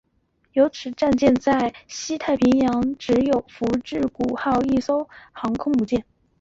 此时舰队在西太平洋只有福治谷号一艘航空母舰。